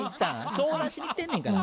相談しに来てんねんから。